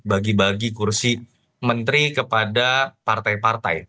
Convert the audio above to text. bagi bagi kursi menteri kepada partai partai